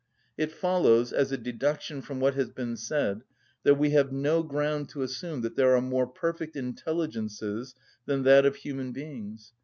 It follows, as a deduction from what has been said, that we have no ground to assume that there are more perfect intelligences than that of human beings.